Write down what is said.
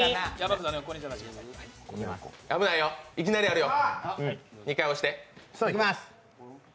危ないよ、いきなりあるよ。